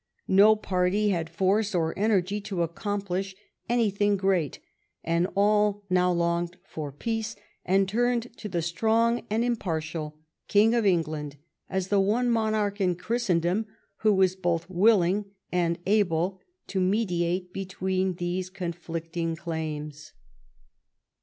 No party had force or energy to accomplish any thing great, and all now longed for peace, and turned to the strong and impartial King of Englan'd as the one monarch in Christendom Avho was both able and willing to mediate between their conflicting claims.